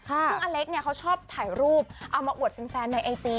ซึ่งอเล็กเนี่ยเขาชอบถ่ายรูปเอามาอวดแฟนในไอจี